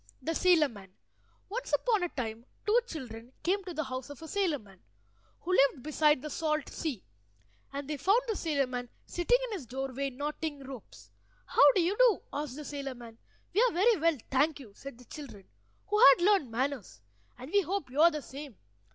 THE SAILOR MAN Once upon a time two children came to the house of a sailor man, who lived beside the salt sea; and they found the sailor man sitting in his doorway knotting ropes. "How do you do?" asked the sailor man. "We are very well, thank you," said the children, who had learned manners, "and we hope you are the same.